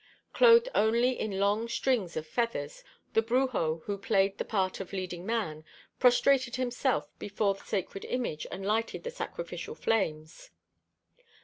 Clothed only in long strings of feathers, the Brujo who played the part of "leading man", prostrated himself before the sacred image and lighted the sacrificial flames.